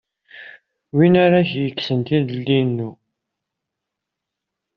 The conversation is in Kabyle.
Win ara iyi-ikksen tilelli-inu.